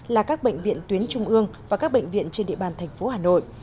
là các bệnh viện tuyến trung ương và các bệnh viện trên địa bàn thành phố hà nội